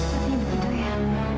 seperti begitu ya